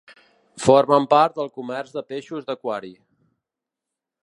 Formen part del comerç de peixos d'aquari.